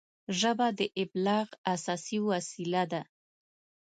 ژبه د ابلاغ اساسي وسیله ده